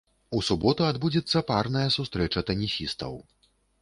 У суботу адбудзецца парная сустрэча тэнісістаў.